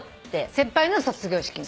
先輩の卒業式に。